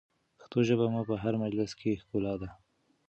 پښتو ژبه مو په هر مجلس کې ښکلا ده.